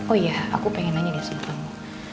oh iya aku pengen nanya deh sebelum kamu